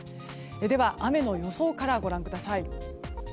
では、雨の予想からご覧ください。